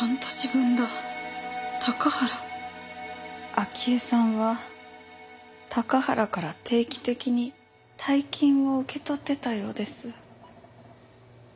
明江さんは高原から定期的に大金を受け取ってたようです。